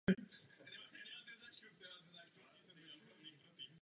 Jsou rozděleny výraznými podélnými údolími.